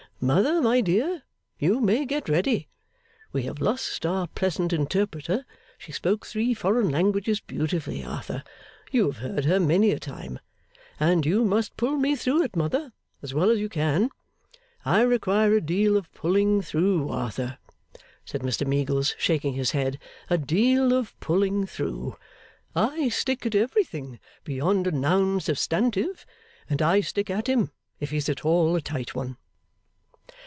Mother, my dear, you may get ready. We have lost our pleasant interpreter (she spoke three foreign languages beautifully, Arthur; you have heard her many a time), and you must pull me through it, Mother, as well as you can. I require a deal of pulling through, Arthur,' said Mr Meagles, shaking his head, 'a deal of pulling through. I stick at everything beyond a noun substantive and I stick at him, if he's at all a tight one.